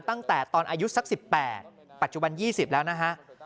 ตั้งแต่ตอนอายุสัก๑๘ปัจจุบัน๒๐แล้วนะฮะ